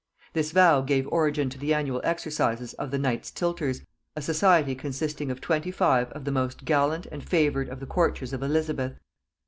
This vow gave origin to the annual exercises of the Knights Tilters, a society consisting of twenty five of the most gallant and favored of the courtiers of Elizabeth.